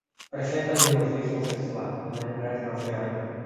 Presentan dimorfismo sexual, la hembra es más grande.